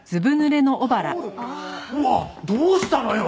うわっどうしたのよ？